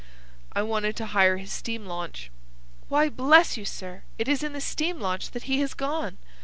"I wanted to hire his steam launch." "Why, bless you, sir, it is in the steam launch that he has gone.